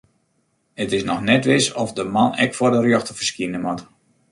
It is noch net wis oft de man ek foar de rjochter ferskine moat.